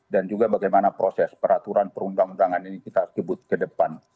juga bagaimana proses peraturan perundang undangan ini kita sebut ke depan